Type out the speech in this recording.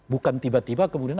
bukan tiba tiba kemudian